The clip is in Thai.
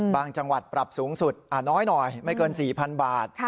บางจังหวัดปรับสูงสุดน้อยไม่เกิน๔๐๐๐บาท